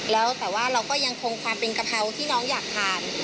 แล้วแต่ว่าเราก็ยังคงความเป็นกะเพราที่น้องอยากทาน